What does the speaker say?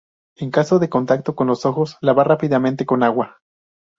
En caso de contacto con los ojos lavar rápidamente con agua.